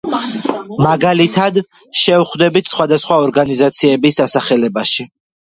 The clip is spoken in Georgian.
მაგალითად, შევხვდებით სხვადასხვა ორგანიზაციების დასახელებაში.